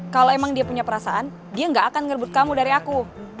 kalau emang dia punya perasaan dia gak akan ngerebut kamu dari aku